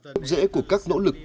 tổng dễ của các nỗ lực